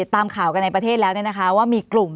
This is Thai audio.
ตามข่าวกันในประเทศแล้วว่ามีกลุ่ม